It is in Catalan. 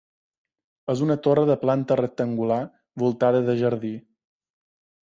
És una torre de planta rectangular voltada de jardí.